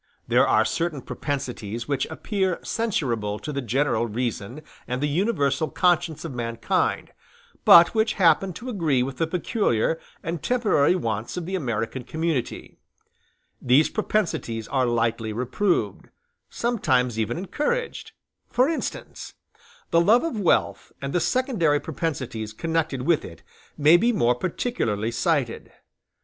There are certain propensities which appear censurable to the general reason and the universal conscience of mankind, but which happen to agree with the peculiar and temporary wants of the American community: these propensities are lightly reproved, sometimes even encouraged; for instance, the love of wealth and the secondary propensities connected with it may be more particularly cited.